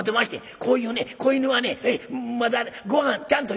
こういうね子犬はねまだごはんちゃんとよう食べしまへん。